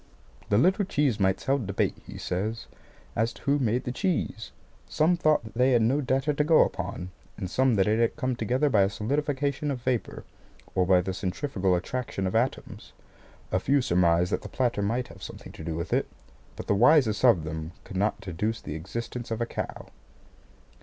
"The little cheese mites held debate," he says, "as to who made the cheese. Some thought that they had no data to go upon, and some that it had come together by a solidification of vapour, or by the centrifugal attraction of atoms. A few surmised that the platter might have something to do with it; but the wisest of them could not deduce the existence of a cow."